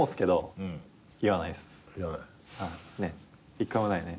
一回もないね。